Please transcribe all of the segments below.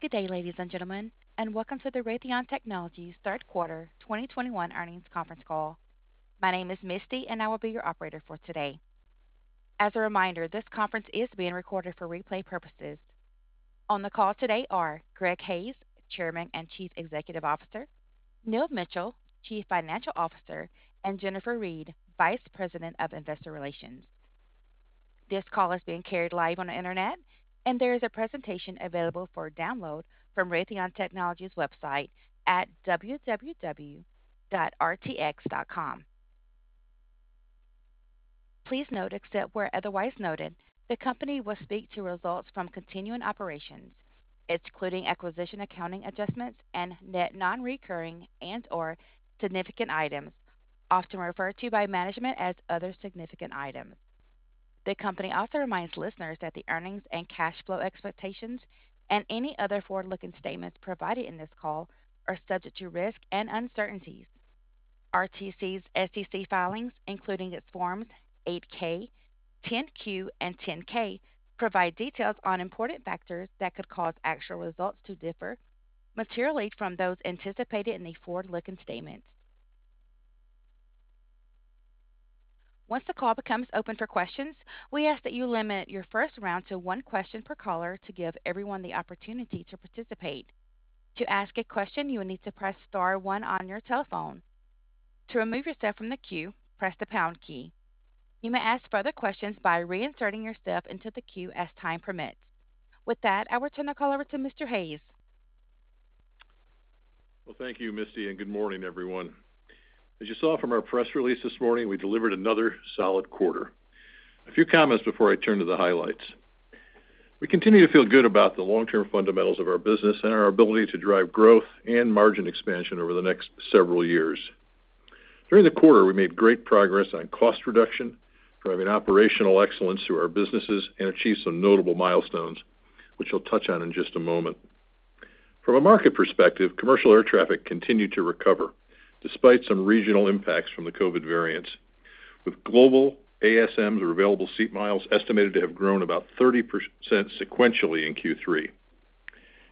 Good day, ladies and gentlemen, and welcome to the Raytheon Technologies third quarter 2021 earnings conference call. My name is Misty, and I will be your operator for today. As a reminder, this conference is being recorded for replay purposes. On the call today are Gregory Hayes, Chairman and Chief Executive Officer, Neil Mitchill, Chief Financial Officer, and Jennifer Reed, Vice President of Investor Relations. This call is being carried live on the Internet, and there is a presentation available for download from Raytheon Technologies website at www.rtx.com. Please note, except where otherwise noted, the company will speak to results from continuing operations, excluding acquisition accounting adjustments and net non-recurring and/or significant items often referred to by management as other significant items. The company also reminds listeners that the earnings and cash flow expectations and any other forward-looking statements provided in this call are subject to risks and uncertainties. RTX's SEC filings, including its Forms 8-K, 10-Q, and 10-K, provide details on important factors that could cause actual results to differ materially from those anticipated in these forward-looking statements. Once the call becomes open for questions, we ask that you limit your first round to one question per caller to give everyone the opportunity to participate. To ask a question, you will need to press star one on your telephone. To remove yourself from the queue, press the pound key. You may ask further questions by reinserting yourself into the queue as time permits. With that, I will turn the call over to Mr. Hayes. Well, thank you, Misty, and good morning, everyone. As you saw from our press release this morning, we delivered another solid quarter. A few comments before I turn to the highlights. We continue to feel good about the long-term fundamentals of our business and our ability to drive growth and margin expansion over the next several years. During the quarter, we made great progress on cost reduction, driving operational excellence through our businesses, and achieved some notable milestones, which I'll touch on in just a moment. From a market perspective, commercial air traffic continued to recover despite some regional impacts from the COVID variants, with global ASMs, or available seat miles, estimated to have grown about 30% sequentially in Q3.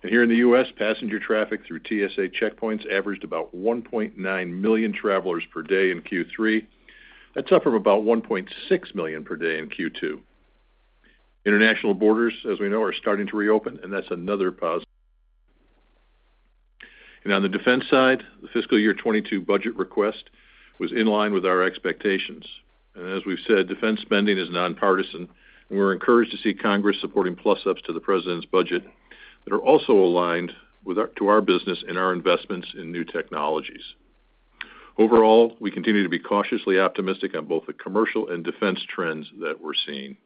Here in the U.S., passenger traffic through TSA checkpoints averaged about 1.9 million travelers per day in Q3. That's up from about 1.6 million per day in Q2. International borders, as we know, are starting to reopen, and that's another positive. On the defense side, the fiscal year 2022 budget request was in line with our expectations. As we've said, defense spending is nonpartisan, and we're encouraged to see Congress supporting plus-ups to the president's budget that are also aligned with our business and our investments in new technologies. Overall, we continue to be cautiously optimistic on both the commercial and defense trends that we're seeing.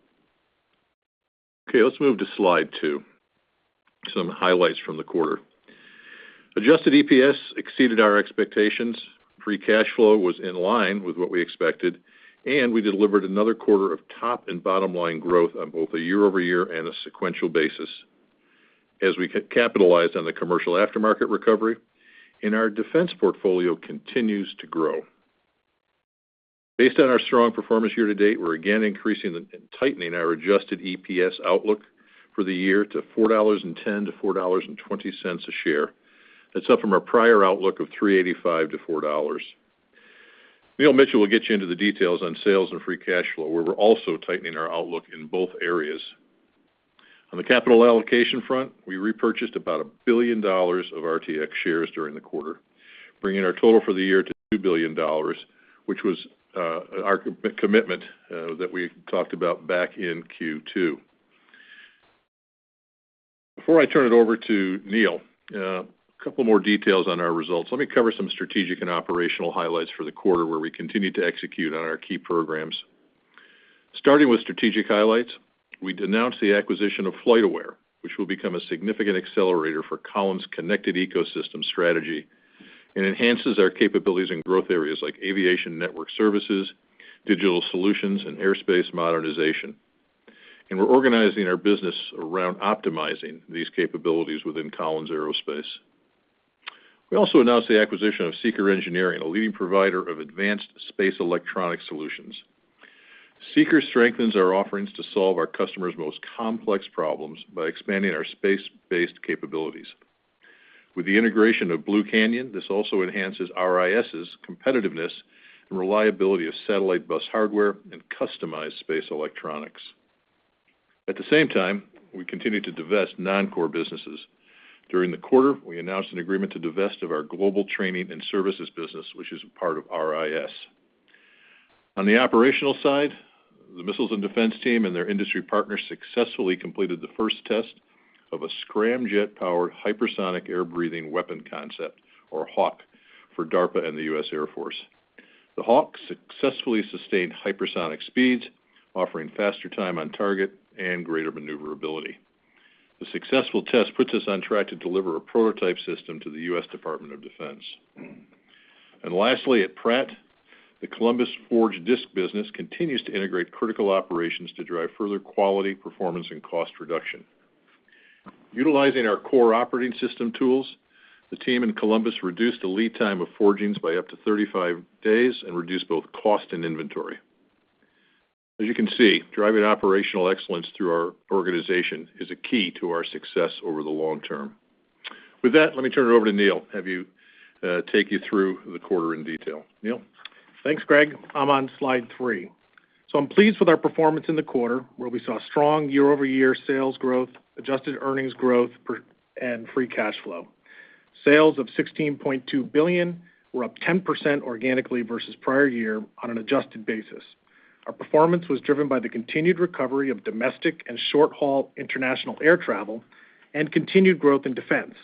Okay, let's move to slide two, some highlights from the quarter. Adjusted EPS exceeded our expectations. Free cash flow was in line with what we expected, and we delivered another quarter of top and bottom-line growth on both a YoY and a sequential basis as we capitalized on the commercial aftermarket recovery, and our defense portfolio continues to grow. Based on our strong performance year to date, we're again increasing and tightening our adjusted EPS outlook for the year to $4.10-$4.20 a share. That's up from our prior outlook of $3.85-$4. Neil Mitchill will get you into the details on sales and free cash flow, where we're also tightening our outlook in both areas. On the capital allocation front, we repurchased about $1 billion of RTX shares during the quarter, bringing our total for the year to $2 billion, which was our commitment that we talked about back in Q2. Before I turn it over to Neil, a couple more details on our results. Let me cover some strategic and operational highlights for the quarter where we continued to execute on our key programs. Starting with strategic highlights, we announced the acquisition of FlightAware, which will become a significant accelerator for Collins' connected ecosystem strategy and enhances our capabilities in growth areas like aviation network services, digital solutions, and airspace modernization. We're organizing our business around optimizing these capabilities within Collins Aerospace. We also announced the acquisition of SEAKR Engineering, a leading provider of advanced space electronic solutions. SEAKR strengthens our offerings to solve our customers' most complex problems by expanding our space-based capabilities. With the integration of Blue Canyon, this also enhances RIS' competitiveness and reliability of satellite bus hardware and customized space electronics. At the same time, we continue to divest non-core businesses. During the quarter, we announced an agreement to divest of our global training and services business, which is part of RIS. On the operational side, the missiles and defense team and their industry partners successfully completed the first test of a scramjet-powered hypersonic air-breathing weapon concept, or HAWC, for DARPA and the U.S. Air Force. The HAWC successfully sustained hypersonic speeds, offering faster time on target and greater maneuverability. The successful test puts us on track to deliver a prototype system to the U.S. Department of Defense. Lastly, at Pratt, the Columbus Forge disc business continues to integrate critical operations to drive further quality, performance, and cost reduction. Utilizing our core operating system tools, the team in Columbus reduced the lead time of forgings by up to 35 days and reduced both cost and inventory. As you can see, driving operational excellence through our organization is a key to our success over the long term. With that, let me turn it over to Neil, have you take us through the quarter in detail. Neil. Thanks, Greg. I'm on slide three. I'm pleased with our performance in the quarter, where we saw strong YoY sales growth, adjusted EPS growth and free cash flow. Sales of $16.2 billion were up 10% organically versus prior year on an adjusted basis. Our performance was driven by the continued recovery of domestic and short-haul international air travel and continued growth in defense.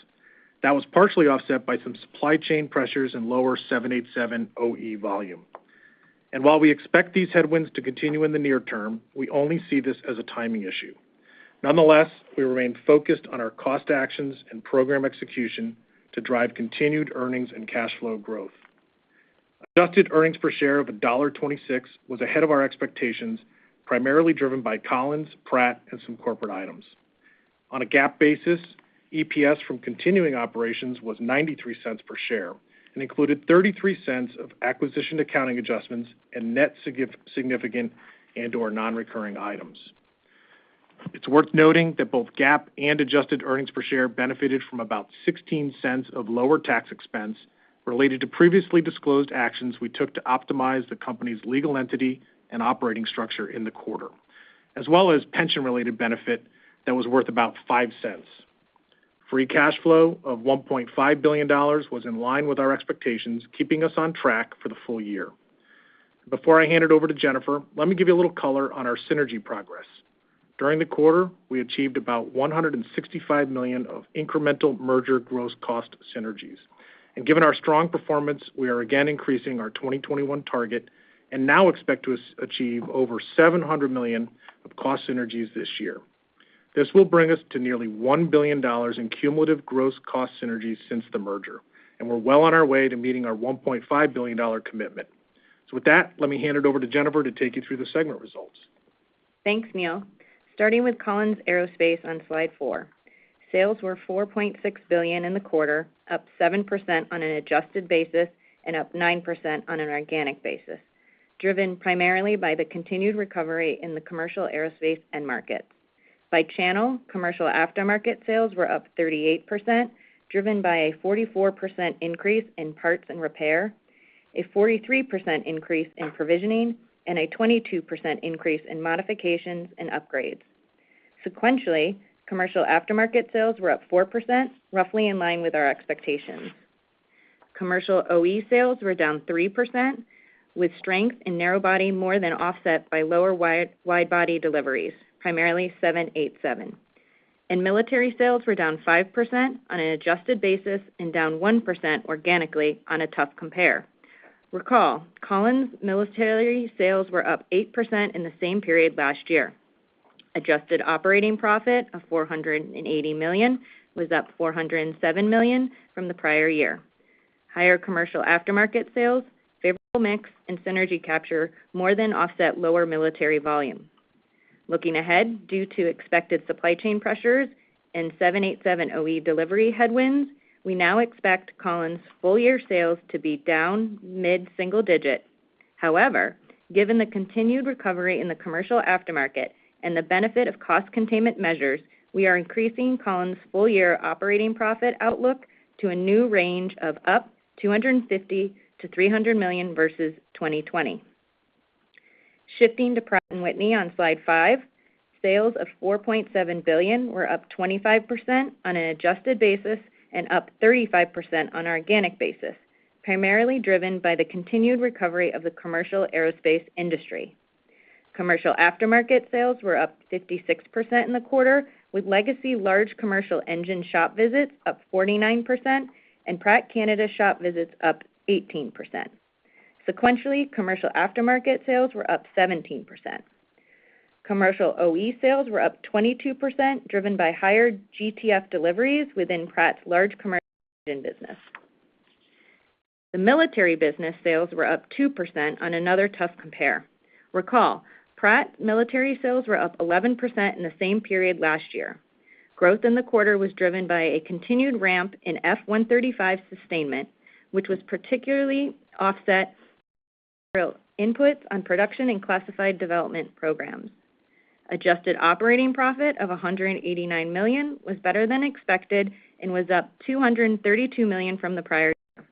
That was partially offset by some supply chain pressures and lower 787 OE volume. While we expect these headwinds to continue in the near term, we only see this as a timing issue. Nonetheless, we remain focused on our cost actions and program execution to drive continued earnings and cash flow growth. Adjusted EPS of $1.26 was ahead of our expectations, primarily driven by Collins, Pratt, and some corporate items. On a GAAP basis, EPS from continuing operations was $0.93 per share and included $0.33 of acquisition accounting adjustments and net significant and/or non-recurring items. It's worth noting that both GAAP and Adjusted EPS benefited from about $0.16 of lower tax expense related to previously disclosed actions we took to optimize the company's legal entity and operating structure in the quarter, as well as pension-related benefit that was worth about $0.05. Free cash flow of $1.5 billion was in line with our expectations, keeping us on track for the full year. Before I hand it over to Jennifer, let me give you a little color on our synergy progress. During the quarter, we achieved about $165 million of incremental merger gross cost synergies. Given our strong performance, we are again increasing our 2021 target and now expect to achieve over $700 million of cost synergies this year. This will bring us to nearly $1 billion in cumulative gross cost synergies since the merger, and we're well on our way to meeting our $1.5 billion commitment. With that, let me hand it over to Jennifer to take you through the segment results. Thanks, Neil. Starting with Collins Aerospace on slide four. Sales were $4.6 billion in the quarter, up 7% on an adjusted basis and up 9% on an organic basis, driven primarily by the continued recovery in the commercial aerospace end market. By channel, commercial aftermarket sales were up 38%, driven by a 44% increase in parts and repair, a 43% increase in provisioning, and a 22% increase in modifications and upgrades. Sequentially, commercial aftermarket sales were up 4%, roughly in line with our expectations. Commercial OE sales were down 3%, with strength in narrow body more than offset by lower wide body deliveries, primarily 787. Military sales were down 5% on an adjusted basis and down 1% organically on a tough compare. Recall, Collins military sales were up 8% in the same period last year. Adjusted operating profit of $480 million was up $407 million from the prior year. Higher commercial aftermarket sales, favorable mix, and synergy capture more than offset lower military volume. Looking ahead, due to expected supply chain pressures and 787 OE delivery headwinds, we now expect Collins full-year sales to be down mid-single digit. However, given the continued recovery in the commercial aftermarket and the benefit of cost containment measures, we are increasing Collins full-year operating profit outlook to a new range of up $250 million-$300 million versus 2020. Shifting to Pratt & Whitney on slide 5. Sales of $4.7 billion were up 25% on an adjusted basis and up 35% on organic basis, primarily driven by the continued recovery of the commercial aerospace industry. Commercial aftermarket sales were up 56% in the quarter, with legacy large commercial engine shop visits up 49% and Pratt Canada shop visits up 18%. Sequentially, commercial aftermarket sales were up 17%. Commercial OE sales were up 22%, driven by higher GTF deliveries within Pratt's large commercial engine business. The military business sales were up 2% on another tough compare. Recall, Pratt military sales were up 11% in the same period last year. Growth in the quarter was driven by a continued ramp in F135 sustainment, which was partially offset by material inputs on production and classified development programs. Adjusted operating profit of $189 million was better than expected and was up $232 million from the prior year.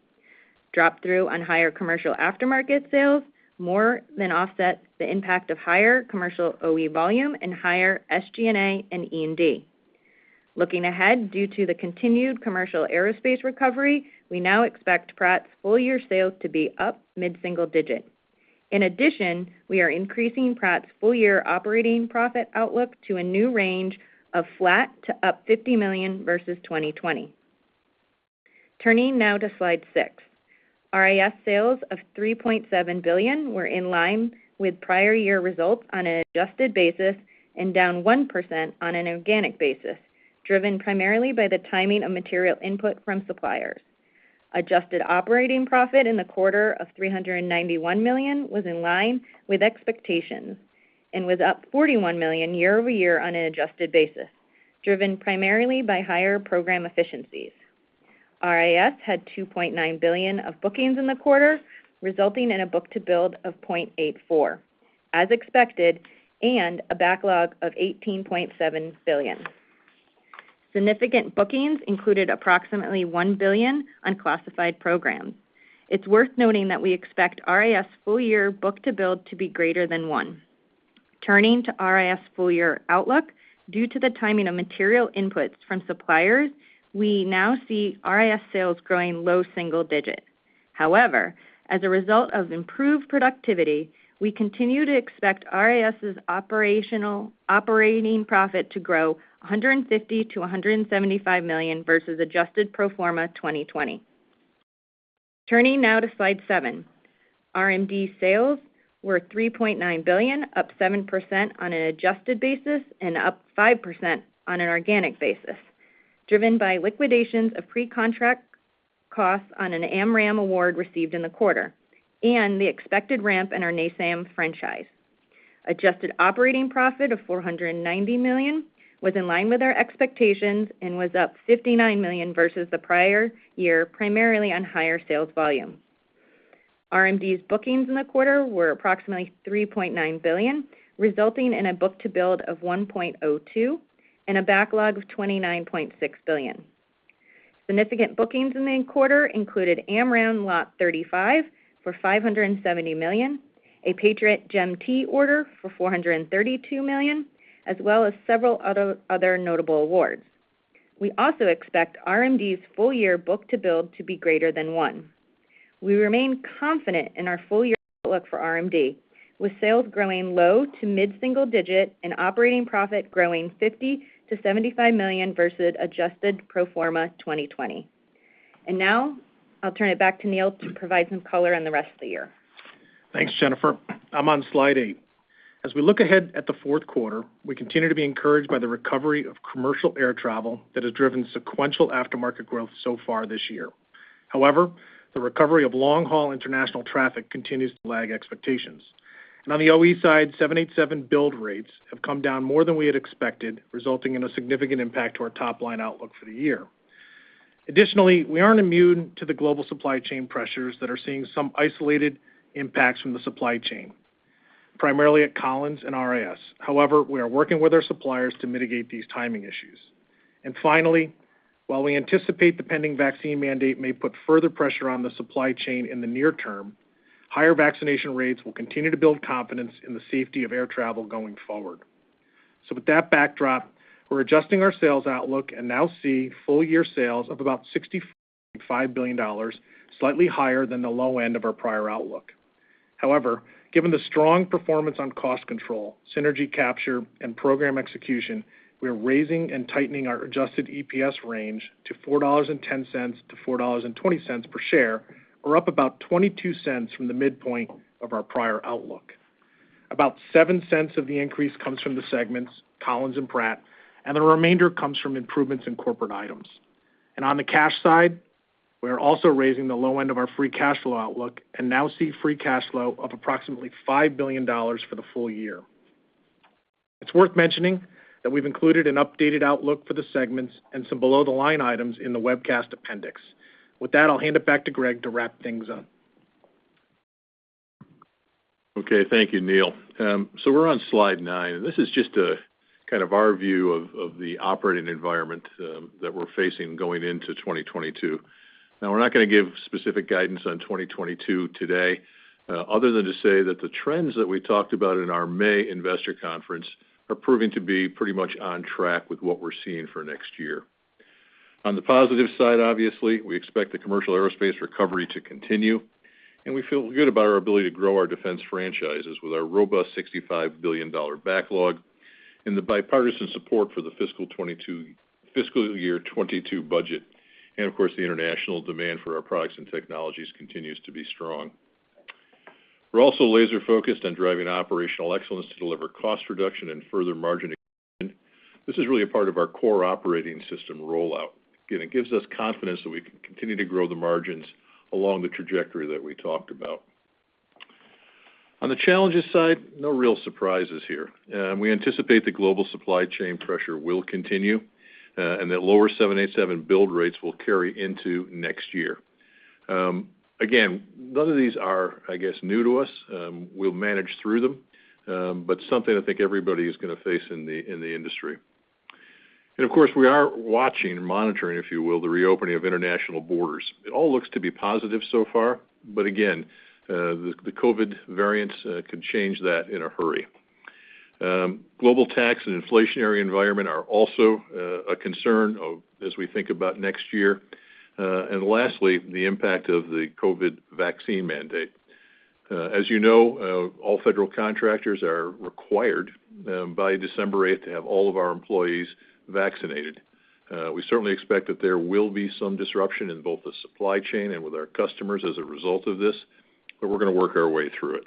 Drop through on higher commercial aftermarket sales more than offsets the impact of higher commercial OE volume and higher SG&A and E&D. Looking ahead, due to the continued commercial aerospace recovery, we now expect Pratt's full year sales to be up mid-single digit. In addition, we are increasing Pratt's full year operating profit outlook to a new range of flat to up $50 million versus 2020. Turning now to slide six. RIS sales of $3.7 billion were in line with prior year results on an adjusted basis and down 1% on an organic basis, driven primarily by the timing of material input from suppliers. Adjusted operating profit in the quarter of $391 million was in line with expectations and was up $41 million YoY on an adjusted basis, driven primarily by higher program efficiencies. RIS had $2.9 billion of bookings in the quarter, resulting in a book-to-bill of 0.84, as expected, and a backlog of $18.7 billion. Significant bookings included approximately $1 billion unclassified programs. It's worth noting that we expect RIS full-year book-to-bill to be greater than one. Turning to RIS full-year outlook. Due to the timing of material inputs from suppliers, we now see RIS sales growing low single digit. However, as a result of improved productivity, we continue to expect RIS's operating profit to grow $150 million-$175 million versus adjusted pro forma 2020. Turning now to slide seven. RMD sales were $3.9 billion, up 7% on an adjusted basis and up 5% on an organic basis, driven by liquidations of pre-contract costs on an AMRAAM award received in the quarter and the expected ramp in our NASAMS franchise. Adjusted operating profit of $490 million was in line with our expectations and was up $59 million versus the prior year, primarily on higher sales volume. RMD's bookings in the quarter were approximately $3.9 billion, resulting in a book-to-bill of 1.02 and a backlog of $29.6 billion. Significant bookings in the quarter included AMRAAM Lot 35 for $570 million, a Patriot GEM-T order for $432 million, as well as several other notable awards. We also expect RMD's full year book-to-bill to be greater than 1. We remain confident in our full-year outlook for RMD, with sales growing low- to mid-single-digit and operating profit growing $50 million-$75 million versus adjusted pro forma 2020. Now I'll turn it back to Neil to provide some color on the rest of the year. Thanks, Jennifer. I'm on slide eight. As we look ahead at the fourth quarter, we continue to be encouraged by the recovery of commercial air travel that has driven sequential aftermarket growth so far this year. However, the recovery of long-haul international traffic continues to lag expectations. On the OE side, 787 build rates have come down more than we had expected, resulting in a significant impact to our top-line outlook for the year. Additionally, we aren't immune to the global supply chain pressures that are seeing some isolated impacts from the supply chain, primarily at Collins and RIS. However, we are working with our suppliers to mitigate these timing issues. Finally, while we anticipate the pending vaccine mandate may put further pressure on the supply chain in the near term, higher vaccination rates will continue to build confidence in the safety of air travel going forward. With that backdrop, we're adjusting our sales outlook and now see full-year sales of about $65 billion, slightly higher than the low end of our prior outlook. However, given the strong performance on cost control, synergy capture, and program execution, we are raising and tightening our adjusted EPS range to $4.10-$4.20 per share, or up about 22 cents from the midpoint of our prior outlook. About $7 of the increase comes from the segments, Collins and Pratt, and the remainder comes from improvements in corporate items. On the cash side, we are also raising the low end of our free cash flow outlook and now see free cash flow of approximately $5 billion for the full year. It's worth mentioning that we've included an updated outlook for the segments and some below-the-line items in the webcast appendix. With that, I'll hand it back to Greg to wrap things up. Okay. Thank you, Neil. We're on slide nine, and this is just a kind of our view of the operating environment that we're facing going into 2022. Now, we're not gonna give specific guidance on 2022 today, other than to say that the trends that we talked about in our May investor conference are proving to be pretty much on track with what we're seeing for next year. On the positive side, obviously, we expect the commercial aerospace recovery to continue, and we feel good about our ability to grow our defense franchises with our robust $65 billion backlog and the bipartisan support for the fiscal year 2022 budget. Of course, the international demand for our products and technologies continues to be strong. We're also laser-focused on driving operational excellence to deliver cost reduction and further margin expansion. This is really a part of our core operating system rollout. Again, it gives us confidence that we can continue to grow the margins along the trajectory that we talked about. On the challenges side, no real surprises here. We anticipate the global supply chain pressure will continue, and that lower 787 build rates will carry into next year. Again, none of these are, I guess, new to us. We'll manage through them. But something I think everybody is gonna face in the industry. Of course, we are watching and monitoring, if you will, the reopening of international borders. It all looks to be positive so far, but again, the COVID variants could change that in a hurry. Global tech and inflationary environment are also a concern as we think about next year. Lastly, the impact of the COVID vaccine mandate. As you know, all federal contractors are required by December eighth to have all of our employees vaccinated. We certainly expect that there will be some disruption in both the supply chain and with our customers as a result of this, but we're gonna work our way through it.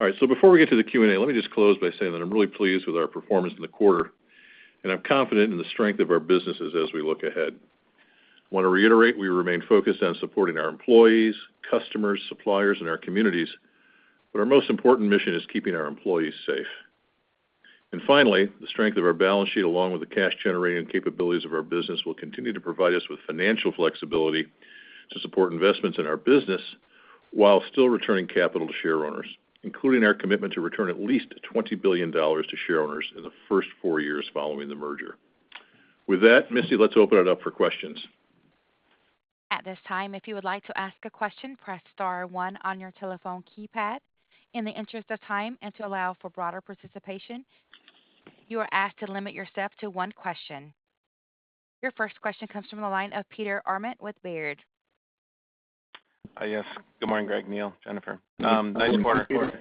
All right. Before we get to the Q&A, let me just close by saying that I'm really pleased with our performance in the quarter, and I'm confident in the strength of our businesses as we look ahead. I want to reiterate, we remain focused on supporting our employees, customers, suppliers, and our communities, but our most important mission is keeping our employees safe. Finally, the strength of our balance sheet, along with the cash generating capabilities of our business, will continue to provide us with financial flexibility to support investments in our business while still returning capital to shareowners, including our commitment to return at least $20 billion to shareowners in the first four years following the merger. With that, Misty, let's open it up for questions. At this time, if you would like to ask a question, press star one on your telephone keypad. In the interest of time and to allow for broader participation, you are asked to limit yourself to one question. Your first question comes from the line of Peter Arment with Baird. Yes. Good morning, Greg, Neil, Jennifer. Good morning, Peter. Nice quarter.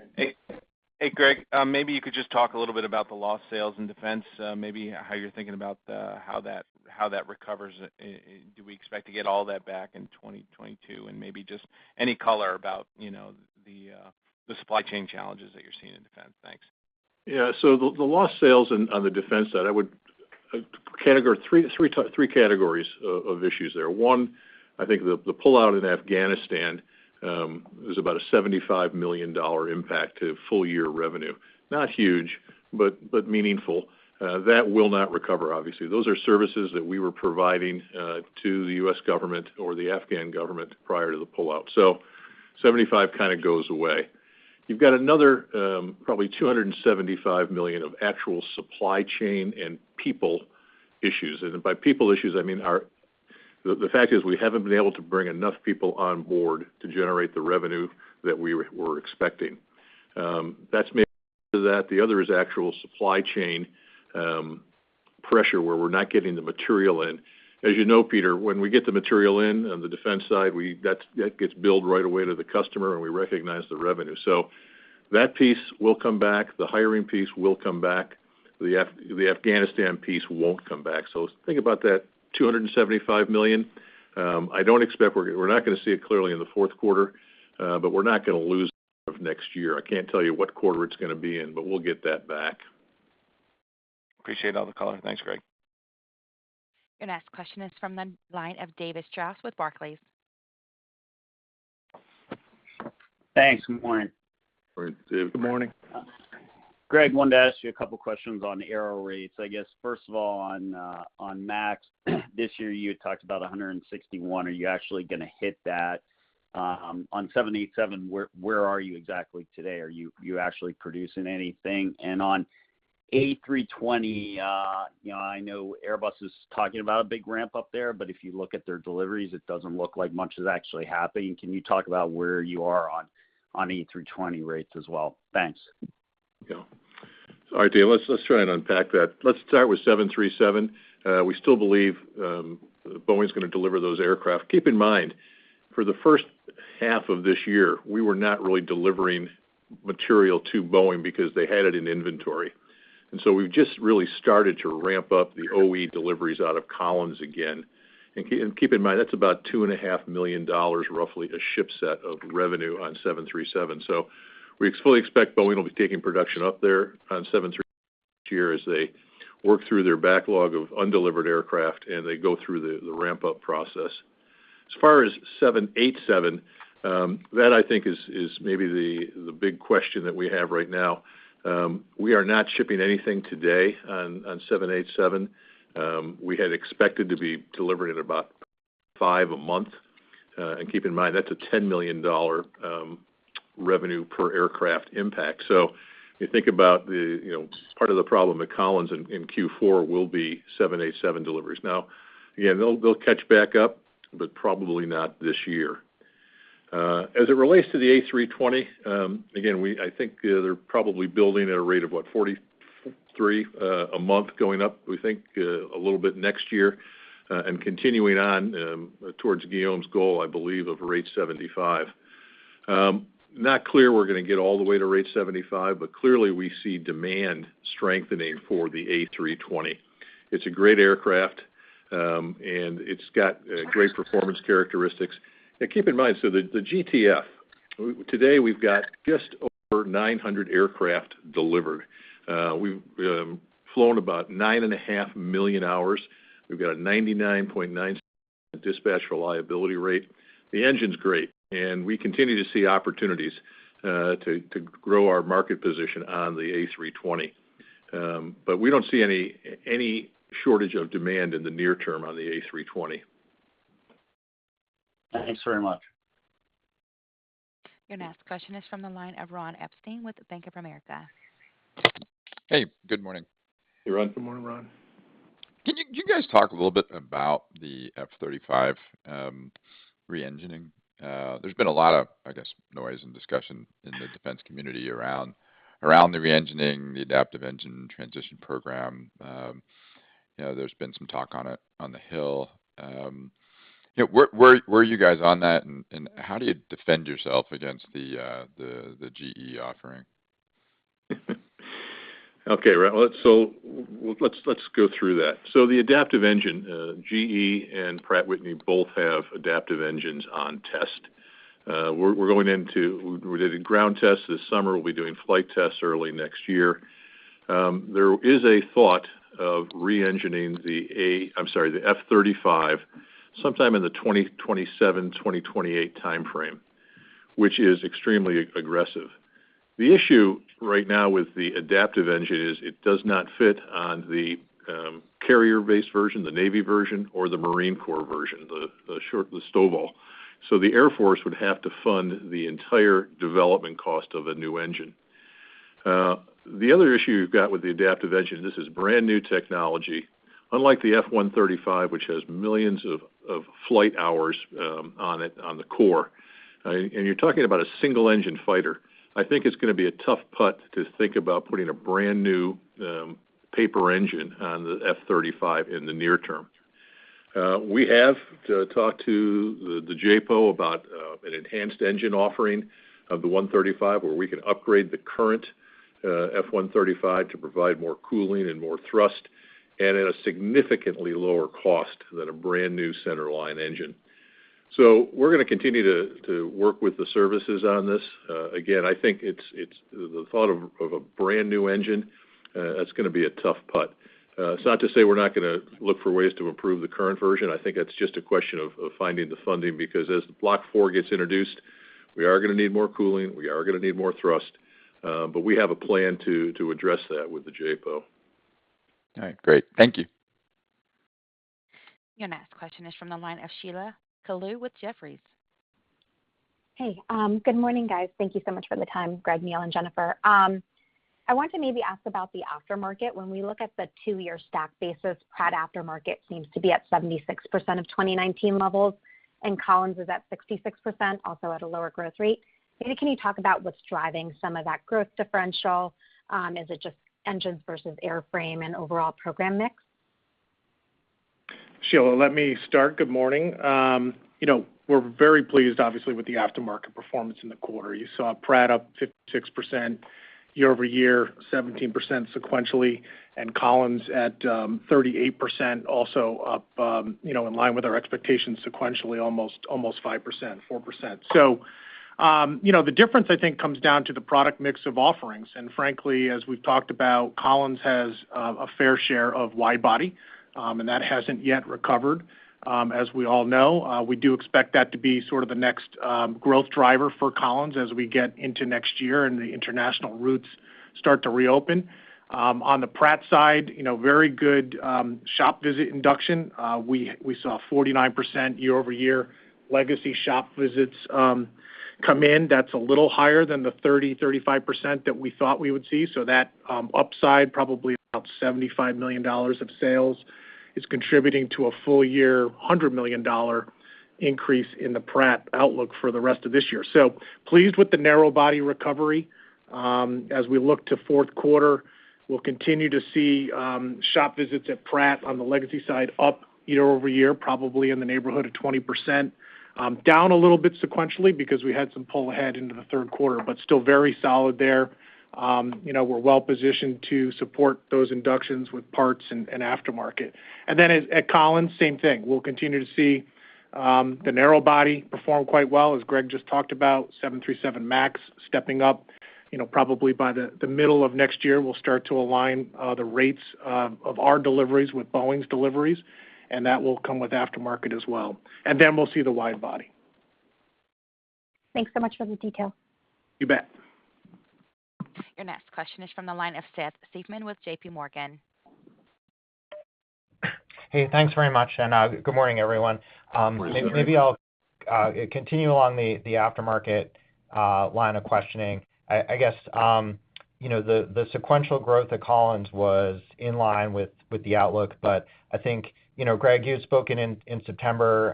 Hey, Greg, maybe you could just talk a little bit about the lost sales in defense, maybe how you're thinking about how that recovers. Do we expect to get all that back in 2022? Maybe just any color about, you know, the supply chain challenges that you're seeing in defense. Thanks. The lost sales on the defense side, I would categorize into three categories of issues there. One, I think the pullout in Afghanistan is about a $75 million impact to full-year revenue. Not huge, but meaningful. That will not recover, obviously. Those are services that we were providing to the U.S. government or the Afghan government prior to the pullout. So $75 million kind of goes away. You've got another probably $275 million of actual supply chain and people issues. By people issues, I mean the fact is we haven't been able to bring enough people on board to generate the revenue that we were expecting. That's mainly that. The other is actual supply chain pressure where we're not getting the material in. As you know, Peter, when we get the material in on the defense side, that gets billed right away to the customer, and we recognize the revenue. That piece will come back. The hiring piece will come back. The Afghanistan piece won't come back. Think about that $275 million. I don't expect we're not gonna see it clearly in the fourth quarter, but we're not gonna lose next year. I can't tell you what quarter it's gonna be in, but we'll get that back. Appreciate all the color. Thanks, Greg. Your next question is from the line of David Strauss with Barclays. Thanks. Good morning. Morning, Dave. Good morning. Greg, I wanted to ask you a couple questions on aero rates. I guess, first of all, on MAX, this year you had talked about 161. Are you actually gonna hit that? On 787, where are you exactly today? Are you actually producing anything? On A320, you know, I know Airbus is talking about a big ramp up there, but if you look at their deliveries, it doesn't look like much is actually happening. Can you talk about where you are on A320 rates as well? Thanks. All right, Dave. Let's try and unpack that. Let's start with 737. We still believe Boeing's gonna deliver those aircraft. Keep in mind, for the first half of this year, we were not really delivering material to Boeing because they had it in inventory. We've just really started to ramp up the OE deliveries out of Collins again. Keep in mind, that's about $2.5 million, roughly a ship set of revenue on 737. We fully expect Boeing will be taking production up there on 737 next year as they work through their backlog of undelivered aircraft, and they go through the ramp up process. As far as 787, that I think is maybe the big question that we have right now. We are not shipping anything today on 787. We had expected to be delivering about 5 a month. Keep in mind, that's a $10 million revenue per aircraft impact. You think about the, you know, part of the problem at Collins in Q4 will be 787 deliveries. Now, again, they'll catch back up, but probably not this year. As it relates to the A320, again, I think they're probably building at a rate of what, 43 a month going up, we think, a little bit next year, and continuing on towards Guillaume's goal, I believe, of rate 75. Not clear we're gonna get all the way to rate 75, but clearly we see demand strengthening for the A320. It's a great aircraft, and it's got great performance characteristics. Keep in mind the GTF. Today we've got just over 900 aircraft delivered. We've flown about 9.5 million hours. We've got a 99.9 dispatch reliability rate. The engine's great, and we continue to see opportunities to grow our market position on the A320. But we don't see any shortage of demand in the near term on the A320. Thanks very much. Your next question is from the line of Ronald Epstein with Bank of America. Hey, good morning. Hey, Ron. Good morning, Ron. Can you guys talk a little bit about the F-35 re-engining? There's been a lot of, I guess, noise and discussion in the defense community around the re-engining, the Adaptive Engine Transition Program. You know, there's been some talk on it on the Hill. You know, where are you guys on that, and how do you defend yourself against the GE offering? Okay, Ron. Let's go through that. The adaptive engine, GE and Pratt & Whitney both have adaptive engines on test. We did a ground test this summer. We'll be doing flight tests early next year. There is a thought of re-engineering the F-35 sometime in the 2027-2028 timeframe, which is extremely aggressive. The issue right now with the adaptive engine is it does not fit on the carrier-based version, the Navy version, or the Marine Corps version, the STOVL. The Air Force would have to fund the entire development cost of a new engine. The other issue you've got with the adaptive engine, this is brand-new technology, unlike the F135, which has millions of flight hours on it on the core, and you're talking about a single-engine fighter. I think it's gonna be a tough putt to think about putting a brand-new paper engine on the F-35 in the near term. We have to talk to the JPO about an enhanced engine offering of the F135, where we can upgrade the current F135 to provide more cooling and more thrust, and at a significantly lower cost than a brand-new centerline engine. We're gonna continue to work with the services on this. Again, I think it's the thought of a brand-new engine that's gonna be a tough putt. It's not to say we're not gonna look for ways to improve the current version. I think it's just a question of finding the funding because as the Block 4 gets introduced, we are gonna need more cooling, we are gonna need more thrust, but we have a plan to address that with the JPO. All right, great. Thank you. Your next question is from the line of Sheila Kahyaoglu with Jefferies. Hey, good morning, guys. Thank you so much for the time, Greg, Neil, and Jennifer. I want to maybe ask about the aftermarket. When we look at the two year stack basis, Pratt aftermarket seems to be at 76% of 2019 levels, and Collins is at 66%, also at a lower growth rate. Maybe can you talk about what's driving some of that growth differential? Is it just engines versus airframe and overall program mix? Sheila, let me start. Good morning. You know, we're very pleased, obviously, with the aftermarket performance in the quarter. You saw Pratt up 56% YoY, 17% sequentially, and Collins at 38% also up, you know, in line with our expectations sequentially, almost 5% - 4%. You know, the difference, I think, comes down to the product mix of offerings. Frankly, as we've talked about, Collins has a fair share of wide-body, and that hasn't yet recovered. As we all know, we do expect that to be sort of the next growth driver for Collins as we get into next year and the international routes start to reopen. On the Pratt side, you know, very good shop visit induction. We saw 49% YoY legacy shop visits come in. That's a little higher than the 35% that we thought we would see. That upside probably about $75 million of sales is contributing to a full year $100 million increase in the Pratt outlook for the rest of this year. Pleased with the narrow-body recovery. As we look to fourth quarter, we'll continue to see shop visits at Pratt on the legacy side up YoY, probably in the neighborhood of 20%. Down a little bit sequentially because we had some pull ahead into the third quarter, but still very solid there. You know, we're well-positioned to support those inductions with parts and aftermarket. At Collins, same thing. We'll continue to see the narrow body perform quite well. As Greg just talked about, 737 MAX stepping up. You know, probably by the middle of next year, we'll start to align the rates of our deliveries with Boeing's deliveries, and that will come with aftermarket as well. We'll see the wide body. Thanks so much for the detail. You bet. Your next question is from the line of Seth Seifman with JPMorgan. Hey, thanks very much. Good morning, everyone. Good morning. Maybe I'll continue on the aftermarket line of questioning. I guess, you know, the sequential growth at Collins was in line with the outlook. I think, you know, Greg, you had spoken in September,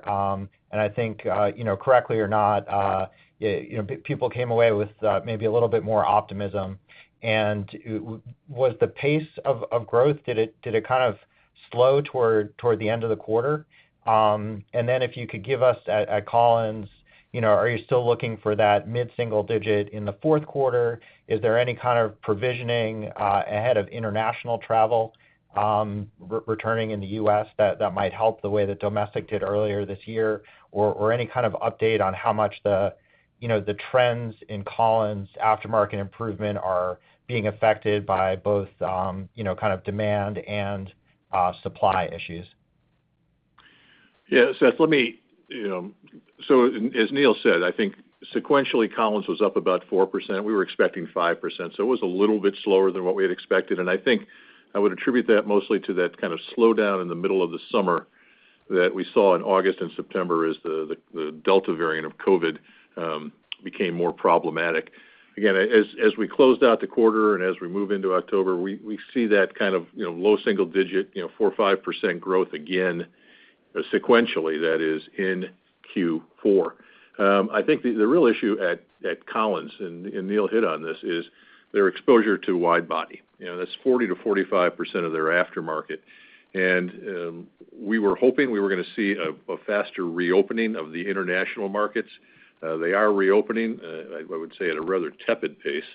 and I think, you know, correctly or not, you know, people came away with maybe a little bit more optimism. Was the pace of growth, did it kind of slow toward the end of the quarter? Then if you could give us at Collins, you know, are you still looking for that mid-single digit in the fourth quarter? Is there any kind of provisioning ahead of international travel returning in the U.S. that might help the way that domestic did earlier this year? Were any kind of update on how much the, you know, the trends in Collins aftermarket improvement are being affected by both, you know, kind of demand and, supply issues. Yeah, Seth, let me, you know. As Neil said, I think sequentially, Collins was up about 4%. We were expecting 5%, so it was a little bit slower than what we had expected. I think I would attribute that mostly to that kind of slowdown in the middle of the summer that we saw in August and September as the Delta variant of COVID became more problematic. As we closed out the quarter and as we move into October, we see that kind of, you know, low single digit, you know, 4% - 5% growth again, sequentially that is in Q4. I think the real issue at Collins, and Neil hit on this, is their exposure to wide body. You know, that's 40%-45% of their aftermarket. We were hoping we were gonna see a faster reopening of the international markets. They are reopening, I would say at a rather tepid pace.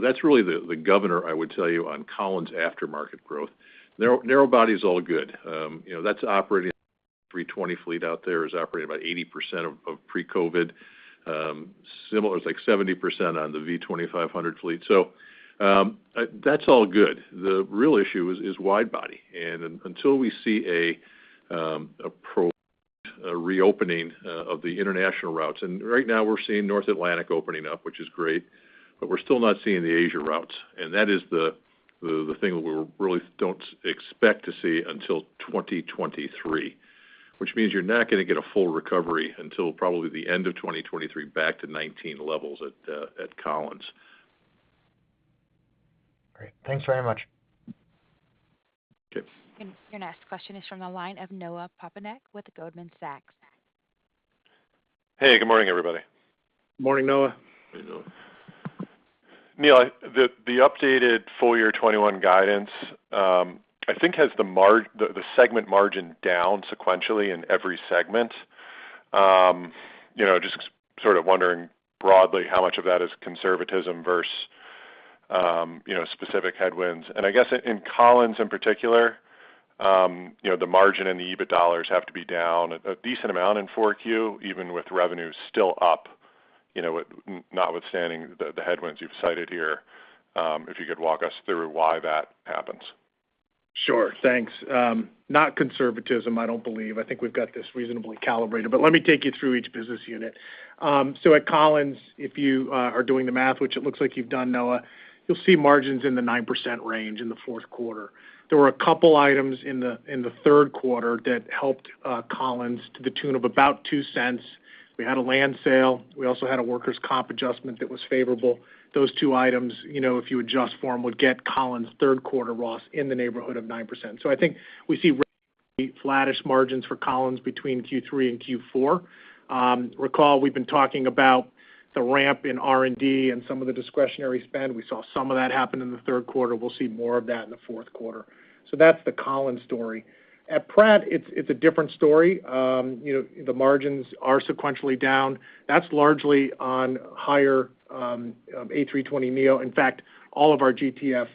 That's really the governor, I would tell you, on Collins aftermarket growth. Narrow body is all good. You know, that's operating. A320 fleet out there is operating about 80% of pre-COVID. Similar, it's like 70% on the V2500 fleet. That's all good. The real issue is wide body. Until we see a reopening of the international routes. Right now we're seeing North Atlantic opening up, which is great, but we're still not seeing the Asia routes. That is the thing that we really don't expect to see until 2023, which means you're not gonna get a full recovery until probably the end of 2023 back to 2019 levels at Collins. Great. Thanks very much. Okay. Your next question is from the line of Noah Poponak with Goldman Sachs. Hey, good morning, everybody. Morning, Noah. Hey, Noah. Neil, the updated full year 2021 guidance, I think has the segment margin down sequentially in every segment. You know, just sort of wondering broadly how much of that is conservatism versus, you know, specific headwinds. I guess in Collins in particular, you know, the margin and the EBIT dollars have to be down a decent amount in 4Q, even with revenue still up, you know, with notwithstanding the headwinds you've cited here, if you could walk us through why that happens. Sure. Thanks. Not conservatism, I don't believe. I think we've got this reasonably calibrated. Let me take you through each business unit. So at Collins, if you are doing the math, which it looks like you've done, Noah, you'll see margins in the 9% range in the fourth quarter. There were a couple items in the third quarter that helped Collins to the tune of about $0.02. We had a land sale, we also had a workers' comp adjustment that was favorable. Those two items, you know, if you adjust for them, would get Collins third quarter ROS in the neighborhood of 9%. I think we see flattish margins for Collins between Q3 and Q4. Recall we've been talking about the ramp in R&D and some of the discretionary spend. We saw some of that happen in the third quarter. We'll see more of that in the fourth quarter. That's the Collins story. At Pratt, it's a different story. You know, the margins are sequentially down. That's largely on higher A320neo. In fact, all of our GTF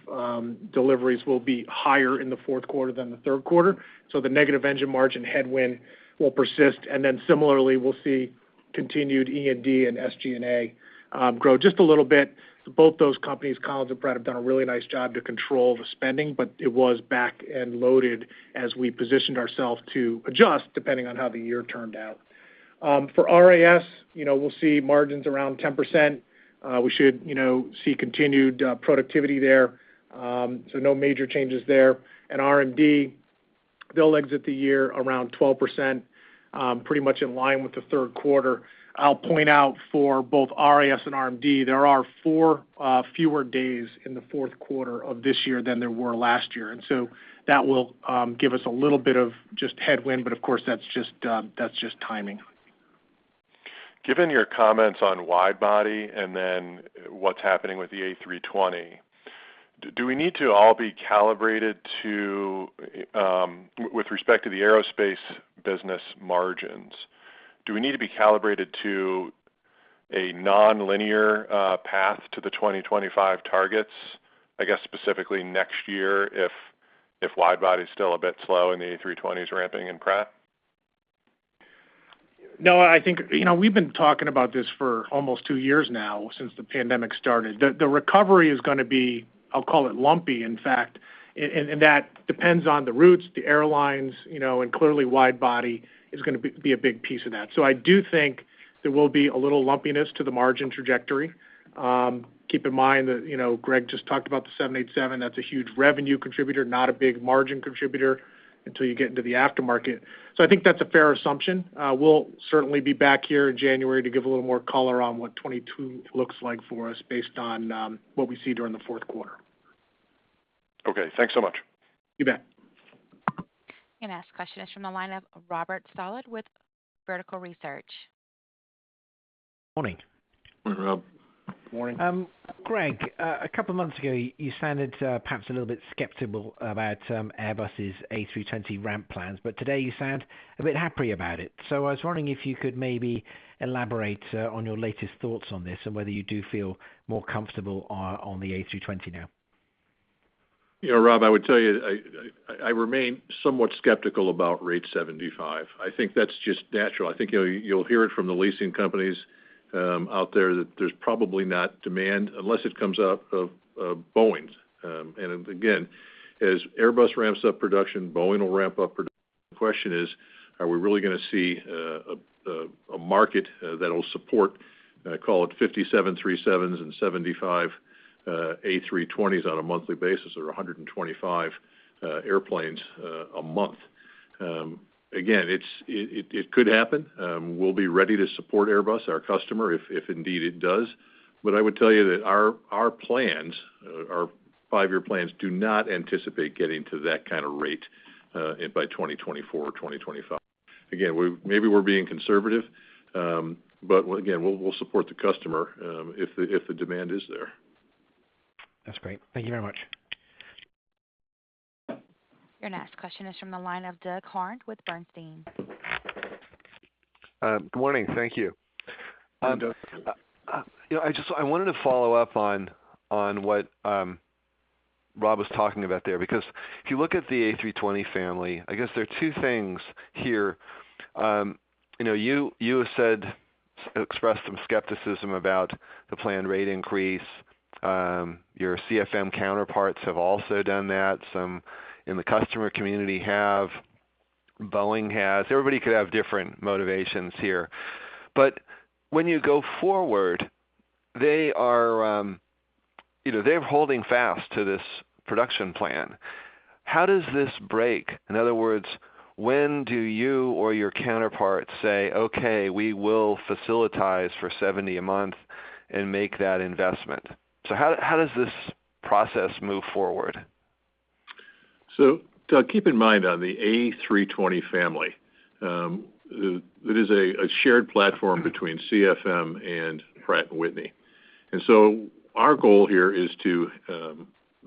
deliveries will be higher in the fourth quarter than the third quarter. The negative engine margin headwind will persist. Then similarly, we'll see continued E&D and SG&A grow just a little bit. Both those companies, Collins and Pratt, have done a really nice job to control the spending, but it was back-end loaded as we positioned ourselves to adjust depending on how the year turned out. For RIS, you know, we'll see margins around 10%. We should, you know, see continued productivity there. No major changes there. RMD, they'll exit the year around 12%, pretty much in line with the third quarter. I'll point out for both RIS and RMD, there are four fewer days in the fourth quarter of this year than there were last year. That will give us a little bit of just headwind, but of course, that's just timing. Given your comments on wide body and then what's happening with the A320, do we need to all be calibrated to, with respect to the aerospace business margins, do we need to be calibrated to a nonlinear path to the 2025 targets? I guess specifically next year if wide body is still a bit slow and the A320 is ramping in Pratt. Noah, I think, you know, we've been talking about this for almost two years now since the pandemic started. The recovery is gonna be, I'll call it lumpy, in fact, and that depends on the routes, the airlines, you know, and clearly wide body is gonna be a big piece of that. So I do think there will be a little lumpiness to the margin trajectory. Keep in mind that, you know, Greg just talked about the 787. That's a huge revenue contributor, not a big margin contributor until you get into the aftermarket. So I think that's a fair assumption. We'll certainly be back here in January to give a little more color on what 2022 looks like for us based on what we see during the fourth quarter. Okay, thanks so much. You bet. Your next question is from the line of Robert Stallard with Vertical Research. Morning. Morning, Rob. Morning. Greg, a couple of months ago, you sounded perhaps a little bit skeptical about Airbus's A320 ramp plans, but today you sound a bit happy about it. I was wondering if you could maybe elaborate on your latest thoughts on this and whether you do feel more comfortable on the A320 now. You know, Rob, I would tell you, I remain somewhat skeptical about rate 75. I think that's just natural. I think you'll hear it from the leasing companies out there that there's probably not demand unless it comes out of Boeing. Again, as Airbus ramps up production, Boeing will ramp up production. The question is, are we really gonna see a market that'll support call it 57 737s and 75 A320s on a monthly basis or 125 airplanes a month? Again, it could happen. We'll be ready to support Airbus, our customer, if indeed it does. I would tell you that our plans, our five-year plans do not anticipate getting to that kind of rate by 2024 or 2025. Again, maybe we're being conservative, but again, we'll support the customer if the demand is there. That's great. Thank you very much. Your next question is from the line of Doug Harned with Bernstein. Good morning. Thank you. Good morning, Doug. I wanted to follow up on what Rob was talking about there, because if you look at the A320 family, I guess there are two things here. You know, you have expressed some skepticism about the planned rate increase. Your CFM counterparts have also done that. Some in the customer community have. Boeing has. Everybody could have different motivations here. But when you go forward, they are, you know, they're holding fast to this production plan. How does this break? In other words, when do you or your counterparts say, "Okay, we will facilitize for 70 a month and make that investment"? How does this process move forward? Doug, keep in mind on the A320 family, it is a shared platform between CFM and Pratt & Whitney. Our goal here is to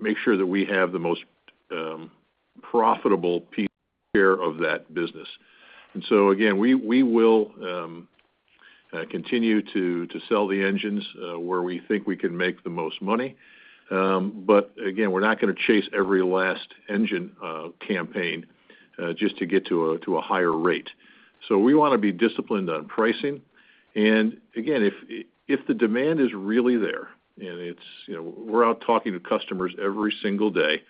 make sure that we have the most profitable share of that business. Again, we will continue to sell the engines where we think we can make the most money. Again, we're not gonna chase every last engine campaign just to get to a higher rate. We wanna be disciplined on pricing. Again, if the demand is really there, and it's, you know, we're out talking to customers every single day.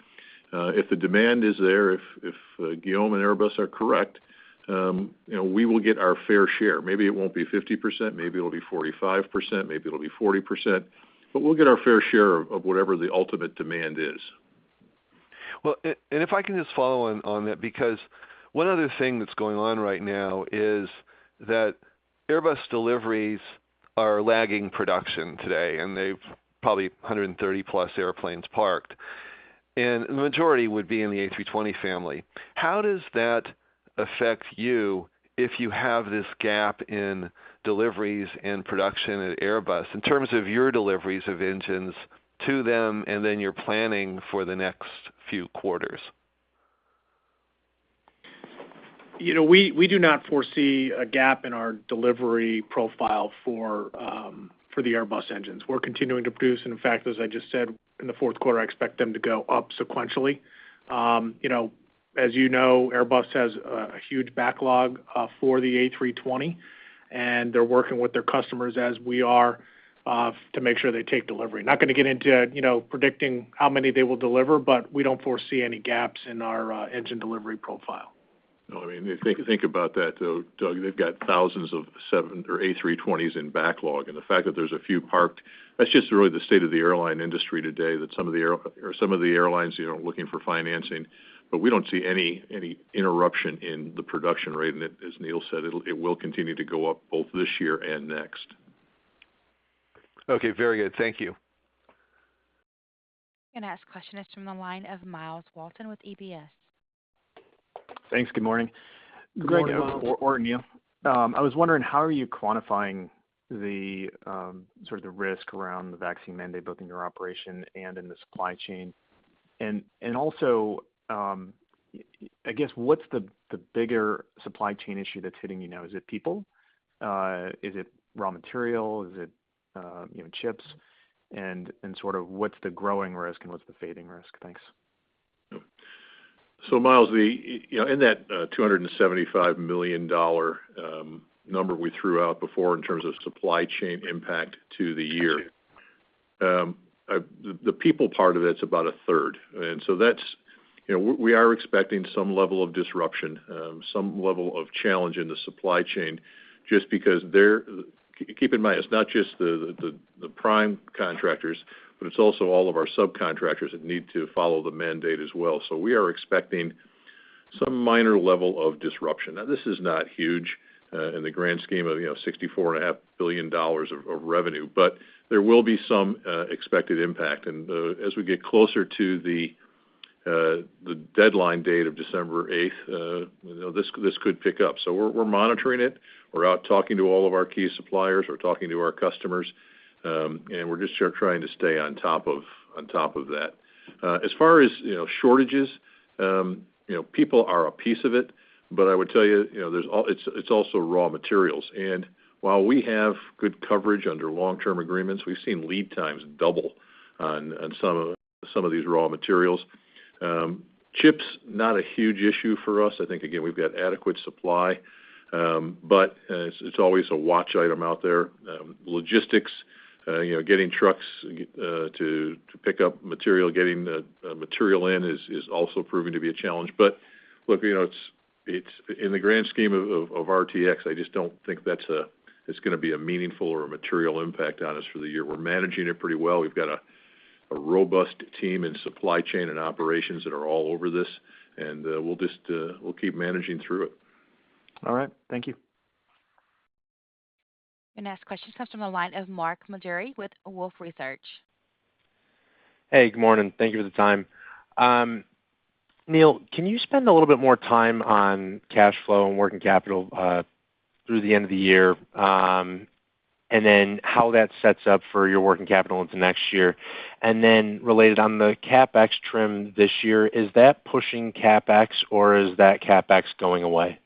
If the demand is there, if Guillaume and Airbus are correct, you know, we will get our fair share. Maybe it won't be 50%, maybe it'll be 45%, maybe it'll be 40%, but we'll get our fair share of whatever the ultimate demand is. Well, and if I can just follow on that, because one other thing that's going on right now is that Airbus deliveries are lagging production today, and they've probably +100 airplanes parked, and the majority would be in the A320 family. How does that affect you if you have this gap in deliveries and production at Airbus in terms of your deliveries of engines to them and then your planning for the next few quarters? You know, we do not foresee a gap in our delivery profile for the Airbus engines. We're continuing to produce. In fact, as I just said, in the fourth quarter, I expect them to go up sequentially. You know, as you know, Airbus has a huge backlog for the A320, and they're working with their customers, as we are, to make sure they take delivery. Not gonna get into, you know, predicting how many they will deliver, but we don't foresee any gaps in our engine delivery profile. No, I mean, if you think about that, though, Doug, they've got thousands of 737s or A320s in backlog. The fact that there's a few parked, that's just really the state of the airline industry today, that some of the airlines, you know, looking for financing. We don't see any interruption in the production rate. As Neil said, it will continue to go up both this year and next. Okay, very good. Thank you. The next question is from the line of Myles Walton with UBS. Thanks. Good morning. Good morning, Myles. Neil. I was wondering how are you quantifying the sort of risk around the vaccine mandate, both in your operation and in the supply chain? Also, I guess, what's the bigger supply chain issue that's hitting you now? Is it people? Is it raw material? Is it you know, chips? Sort of what's the growing risk and what's the fading risk? Thanks. Myles, you know, in that $275 million number we threw out before in terms of supply chain impact to the year- Got you. The people part of it's about a third. That's, you know, we are expecting some level of disruption, some level of challenge in the supply chain just because they're. Keep in mind, it's not just the prime contractors, but it's also all of our subcontractors that need to follow the mandate as well. We are expecting some minor level of disruption. This is not huge in the grand scheme of, you know, $64.5 billion of revenue, but there will be some expected impact. As we get closer to the deadline date of December eighth, you know, this could pick up. We're monitoring it. We're out talking to all of our key suppliers. We're talking to our customers. We're just trying to stay on top of that. As far as shortages, you know, people are a piece of it. I would tell you know, it's also raw materials. While we have good coverage under long-term agreements, we've seen lead times double on some of these raw materials. Chips, not a huge issue for us. I think, again, we've got adequate supply, but it's always a watch item out there. Logistics, you know, getting trucks to pick up material, getting the material in is also proving to be a challenge. Look, you know, it's in the grand scheme of RTX. I just don't think it's gonna be a meaningful or a material impact on us for the year. We're managing it pretty well. We've got a robust team and supply chain and operations that are all over this, and we'll just keep managing through it. All right. Thank you. The next question comes from the line of Mark Maloy with Wolfe Research. Hey, good morning. Thank you for the time. Neil, can you spend a little bit more time on cash flow and working capital through the end of the year? How that sets up for your working capital into next year. Related on the CapEx trim this year, is that pushing CapEx or is that CapEx going away?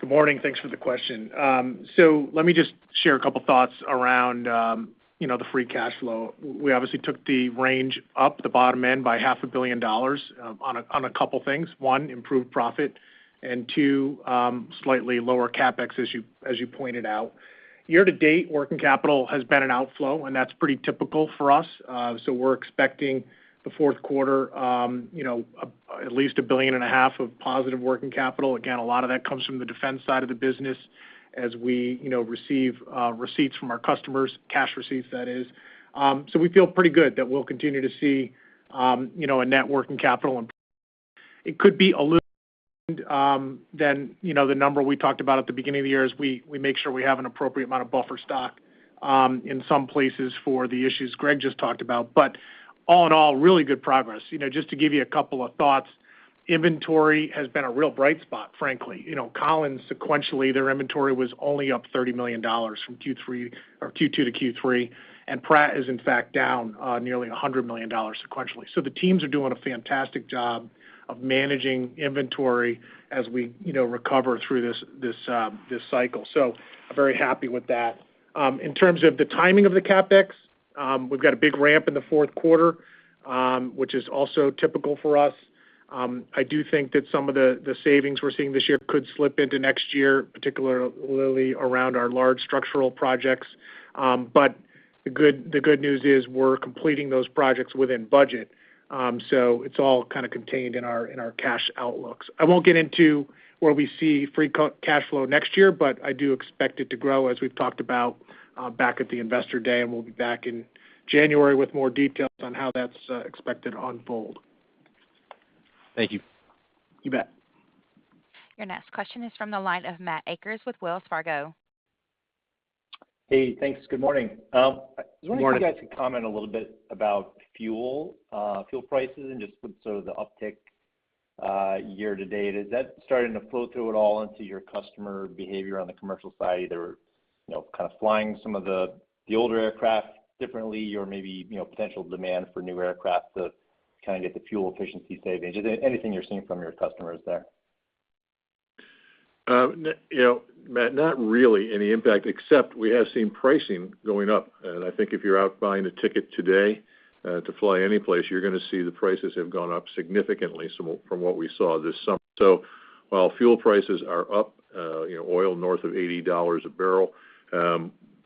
Good morning. Thanks for the question. Let me just share a couple thoughts around, you know, the free cash flow. We obviously took the range up, the bottom end by $ half a billion, on a couple things. One, improved profit, and two, slightly lower CapEx as you pointed out. Year to date, working capital has been an outflow, and that's pretty typical for us. We're expecting the fourth quarter, you know, at least $1.5 billion of positive working capital. Again, a lot of that comes from the defense side of the business as we, you know, receive receipts from our customers, cash receipts, that is. We feel pretty good that we'll continue to see, you know, a net working capital improvement. It could be a little more than the number we talked about at the beginning of the year as we make sure we have an appropriate amount of buffer stock in some places for the issues Greg just talked about. All in all, really good progress. You know, just to give you a couple of thoughts, inventory has been a real bright spot, frankly. You know, Collins, sequentially, their inventory was only up $30 million from Q2 to Q3. Pratt is in fact down nearly $100 million sequentially. The teams are doing a fantastic job of managing inventory as we recover through this cycle. I'm very happy with that. In terms of the timing of the CapEx, we've got a big ramp in the fourth quarter, which is also typical for us. I do think that some of the savings we're seeing this year could slip into next year, particularly around our large structural projects. But the good news is we're completing those projects within budget. So it's all kind of contained in our cash outlooks. I won't get into where we see free cash flow next year, but I do expect it to grow as we've talked about, back at the Investor Day, and we'll be back in January with more details on how that's expected to unfold. Thank you. You bet. Your next question is from the line of Matthew Akers with Wells Fargo. Hey, thanks. Good morning. Good morning. I was wondering if you guys could comment a little bit about fuel prices, and just with sort of the uptick year to date. Is that starting to flow through at all into your customer behavior on the commercial side? Either, you know, kind of flying some of the older aircraft differently or maybe, you know, potential demand for new aircraft to kind of get the fuel efficiency savings. Is there anything you're seeing from your customers there? You know, Matt, not really any impact, except we have seen pricing going up. I think if you're out buying a ticket today, to fly any place, you're gonna see the prices have gone up significantly from what we saw this summer. While fuel prices are up, you know, oil north of $80 a barrel,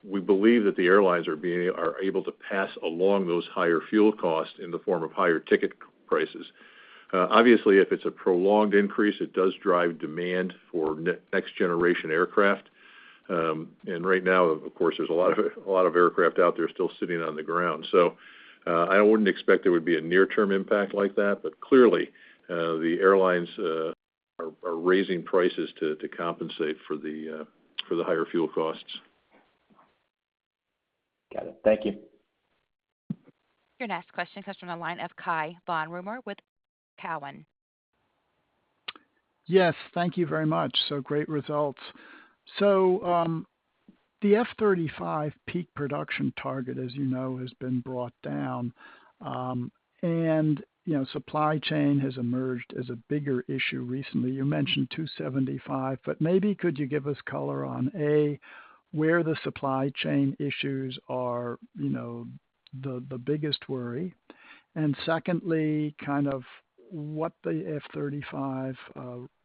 we believe that the airlines are able to pass along those higher fuel costs in the form of higher ticket prices. Obviously, if it's a prolonged increase, it does drive demand for next generation aircraft. Right now, of course, there's a lot of aircraft out there still sitting on the ground. I wouldn't expect there would be a near-term impact like that. Clearly, the airlines are raising prices to compensate for the higher fuel costs. Got it. Thank you. Your next question comes from the line of Cai von Rumohr with Cowen. Yes. Thank you very much. Great results. The F-35 peak production target, as you know, has been brought down. You know, supply chain has emerged as a bigger issue recently. You mentioned 275, but maybe could you give us color on, A, where the supply chain issues are, you know, the biggest worry. Secondly, kind of what the F-35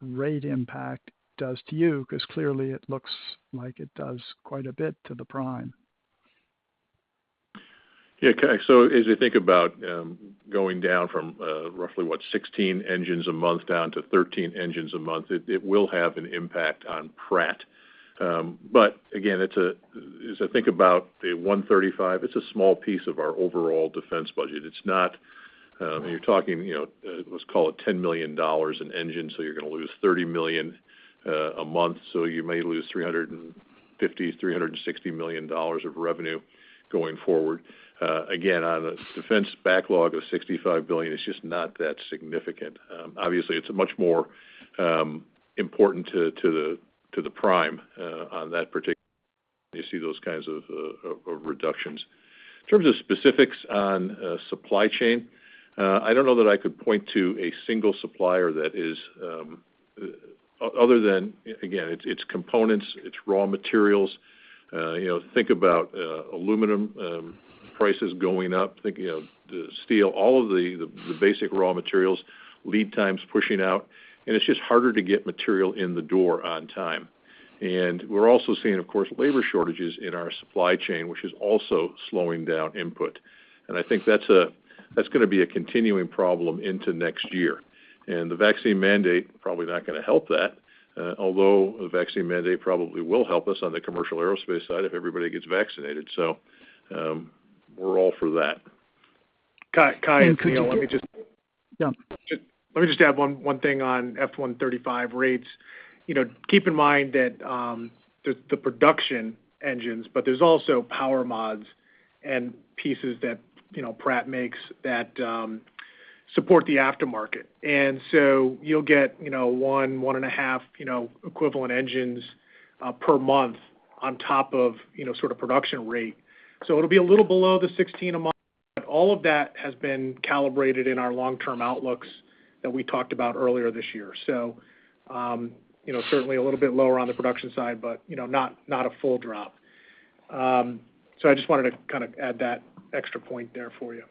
rate impact does to you, 'cause clearly it looks like it does quite a bit to the prime. Yeah, Cai. So as you think about going down from roughly what? 16 engines a month down to 13 engines a month, it will have an impact on Pratt & Whitney. But again, as I think about the F135, it's a small piece of our overall defense budget. It's not, you're talking, you know, let's call it $10 million an engine, so you're gonna lose $30 million a month. So you may lose $350 million-$360 million of revenue going forward. Again, on a defense backlog of $65 billion, it's just not that significant. Obviously, it's much more important to the prime on that particular you see those kinds of of reductions. In terms of specifics on supply chain, I don't know that I could point to a single supplier that is other than, again, it's components, it's raw materials. You know, think about aluminum prices going up. Think of the steel. All of the basic raw materials, lead times pushing out, and it's just harder to get material in the door on time. We're also seeing, of course, labor shortages in our supply chain, which is also slowing down input. I think that's gonna be a continuing problem into next year. The vaccine mandate probably not gonna help that, although a vaccine mandate probably will help us on the commercial aerospace side if everybody gets vaccinated. We're all for that. Cai Could you? You know, let me just. Yeah. Just let me add one thing on F135 rates. You know, keep in mind that the production engines, but there's also power mods and pieces that you know, Pratt makes that support the aftermarket. You'll get you know, 1.5 you know, equivalent engines per month on top of you know, sort of production rate. It'll be a little below the 16 a month, but all of that has been calibrated in our long-term outlooks that we talked about earlier this year. You know, certainly a little bit lower on the production side but you know, not a full drop. I just wanted to kind of add that extra point there for you.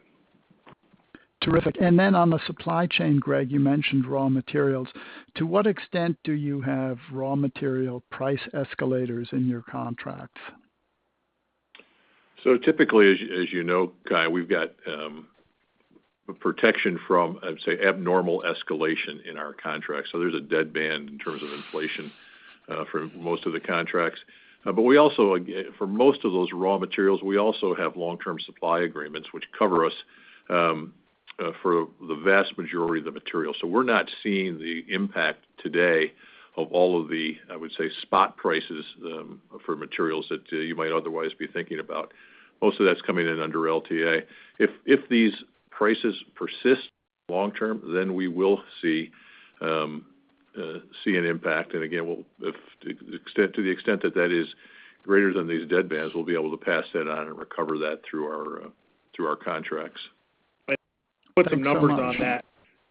Terrific. On the supply chain, Greg, you mentioned raw materials. To what extent do you have raw material price escalators in your contracts? Typically, as you know, Cai, we've got protection from, I'd say, abnormal escalation in our contract. There's a deadband in terms of inflation for most of the contracts. But we also, again, for most of those raw materials, we also have long-term supply agreements which cover us for the vast majority of the material. We're not seeing the impact today of all of the, I would say, spot prices for materials that you might otherwise be thinking about. Most of that's coming in under LTA. If these prices persist long term, then we will see an impact. Again, to the extent that that is greater than these deadbands, we'll be able to pass that on and recover that through our contracts. Put some numbers on that,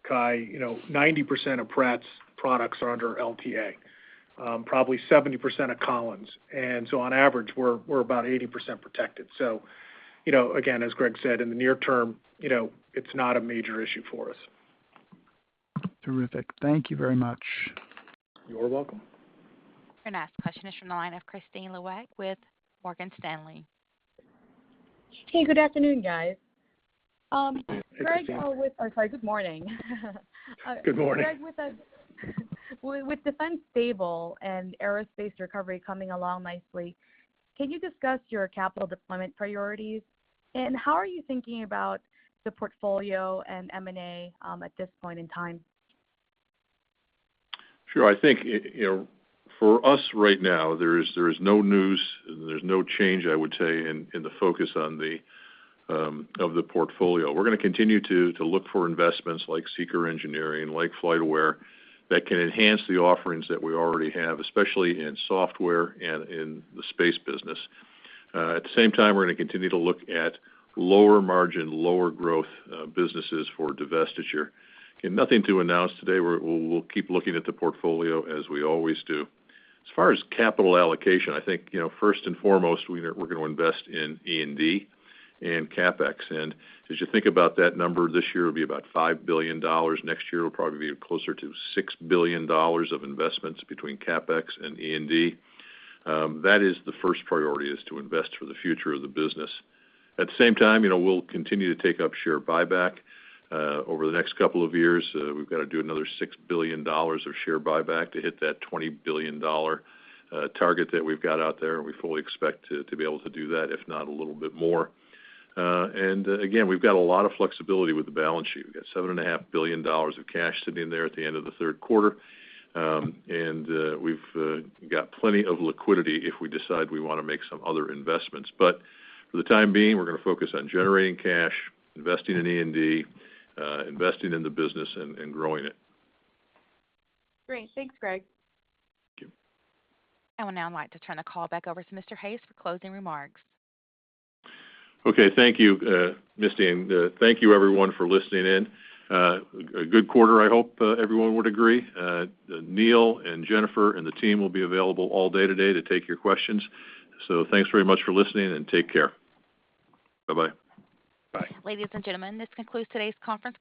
Cai. You know, 90% of Pratt's products are under LTA, probably 70% of Collins. On average, we're about 80% protected. You know, again, as Greg said, in the near term, you know, it's not a major issue for us. Terrific. Thank you very much. You are welcome. Our next question is from the line of Kristine Liwag with Morgan Stanley. Hey, good afternoon, guys. Greg. Hey, Kristine. Sorry, good morning. Good morning. Greg, with defense stable and aerospace recovery coming along nicely, can you discuss your capital deployment priorities, and how are you thinking about the portfolio and M&A at this point in time? Sure. I think, you know, for us right now, there is no news, there's no change, I would say, in the focus on the portfolio. We're gonna continue to look for investments like SEAKR Engineering, like FlightAware, that can enhance the offerings that we already have, especially in software and in the space business. At the same time, we're gonna continue to look at lower margin, lower growth businesses for divestiture. Okay, nothing to announce today. We'll keep looking at the portfolio as we always do. As far as capital allocation, I think, you know, first and foremost, we're gonna invest in E&D and CapEx. As you think about that number, this year it'll be about $5 billion. Next year, it'll probably be closer to $6 billion of investments between CapEx and E&D. That is the first priority, to invest for the future of the business. At the same time, you know, we'll continue to take up share buyback. Over the next couple of years, we've gotta do another $6 billion of share buyback to hit that $20 billion target that we've got out there, and we fully expect to be able to do that, if not a little bit more. Again, we've got a lot of flexibility with the balance sheet. We've got $7.5 billion of cash sitting in there at the end of the third quarter. We've got plenty of liquidity if we decide we wanna make some other investments. For the time being, we're gonna focus on generating cash, investing in E&D, investing in the business and growing it. Great. Thanks, Greg. Thank you. I would now like to turn the call back over to Mr. Hayes for closing remarks. Okay. Thank you, Kristine. Thank you everyone for listening in. A good quarter, I hope, everyone would agree. Neil and Jennifer and the team will be available all day today to take your questions. Thanks very much for listening, and take care. Bye-bye. Bye. Ladies and gentlemen, this concludes today's conference call.